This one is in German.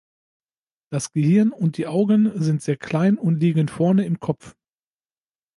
Das Gehirn und die Augen sind sehr klein und liegen vorne im Kopf.